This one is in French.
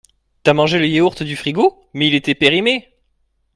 T'as mangé le yaourt du frigo? Mais il était périmé!